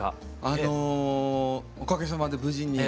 あのおかげさまで無事に。